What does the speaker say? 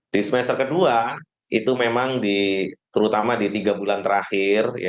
di semester kedua itu memang terutama di tiga bulan terakhir